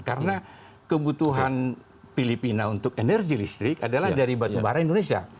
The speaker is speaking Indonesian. karena kebutuhan filipina untuk energi listrik adalah dari batubara indonesia